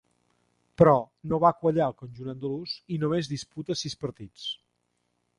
Però, no va quallar al conjunt andalús, i només disputa sis partits.